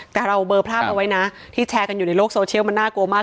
แต่เราเบอร์ภาพเอาไว้นะที่แชร์กันอยู่ในโลกโซเชียลมันน่ากลัวมาก